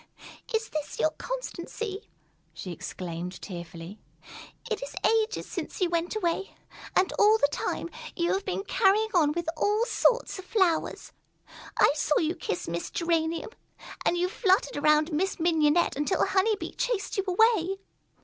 "Is this your constancy?" she exclaimed tearfully. "It is ages since you went away, and all the time, you have been carrying on with all sorts of flowers. I saw you kiss Miss Geranium, and you fluttered around Miss Mignonette until Honey Bee chased you away.